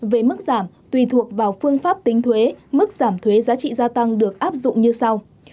về mức giảm tùy thuộc vào phương pháp tính thuế mức giảm thuế giá trị gia tăng được áp dụng như sau